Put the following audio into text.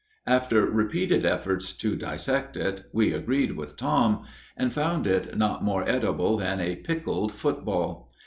After repeated efforts to dissect it we agreed with Tom, and found it not more edible than a pickled football.